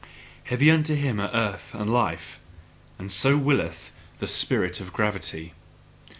Heavy unto him are earth and life, and so WILLETH the spirit of gravity!